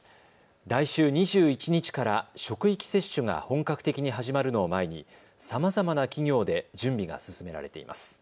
来週２１日から職域接種が本格的に始まるのを前にさまざまな企業で準備が進められています。